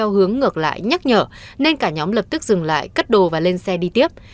hướng ngược lại nhắc nhở nên cả nhóm lập tức dừng lại cất đồ và lên xe đi tiếp